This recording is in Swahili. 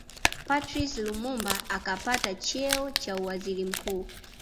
Patrice Lumumba akapata cheo cha uwaziri mkuu